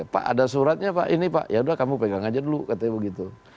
pak ada suratnya pak ini pak ya udah kamu pegang aja dulu katanya begitu